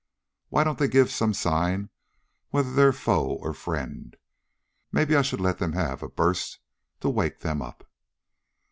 Why don't they give some sign whether they're foe or friend? Maybe I should let them have a burst to wake them up!"